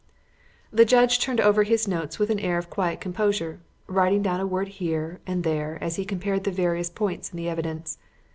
The judge turned over his notes with an air of quiet composure, writing down a word here and there as he compared the various points in the evidence.